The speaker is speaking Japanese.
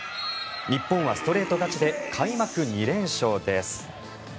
日本はストレート勝ちで開幕２連勝です。